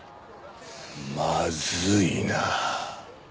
まずいな。